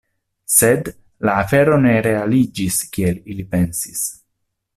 Sed, la afero ne realiĝis kiel ili pensis.